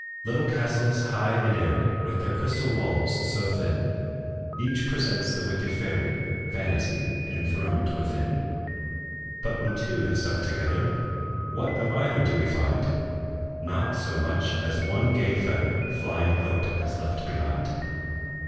Little castles, high and airy, With their crystal walls so thin, Each presents the wicked fairy, Vanity, enthroned within! But when two have struck together, What of either do we find? Not so much as one gay feather Flying Hope has left behind!